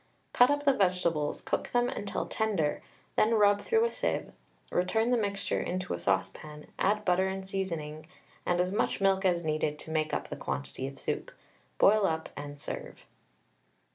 Cut up the vegetables, cook them until tender, then rub through a sieve, return the mixture into a saucepan, add butter and seasoning, and as much milk as needed to make up the quantity of soup. Boil up and serve.